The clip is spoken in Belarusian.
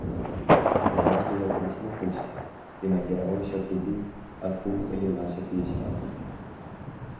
Уважліва прыслухаўся і накіраваўся туды, адкуль лілася песня.